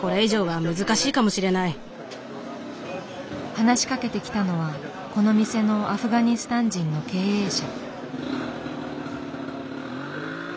話しかけてきたのはこの店のアフガニスタン人の経営者。